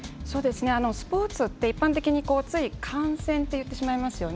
スポーツって一般的につい観戦って言ってしまいますよね。